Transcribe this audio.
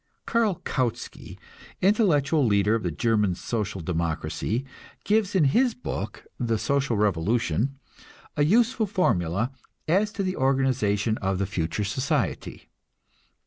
Karl Kautsky, intellectual leader of the German Social democracy, gives in his book, "The Social Revolution," a useful formula as to the organization of the future society.